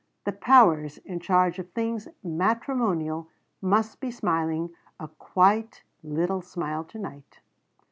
The powers in charge of things matrimonial must be smiling a quiet little smile to night.